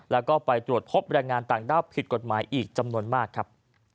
แล้วก็ไปตรวจพบแรงงานต่างด้าวผิดกฎหมายอีกจำนวนมากครับ